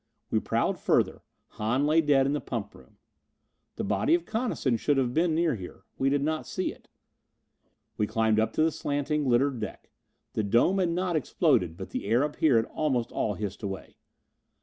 We prowled further. Hahn lay dead in the pump room. The body of Coniston should have been near here. We did not see it. We climbed up to the slanting littered deck. The dome had not exploded, but the air up here had almost all hissed away.